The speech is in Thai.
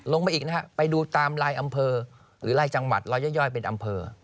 ลงไปอีกนะฮะไปดูตามลายอำเภอหรือรายจังหวัดรอยย่อยเป็นอำเภอ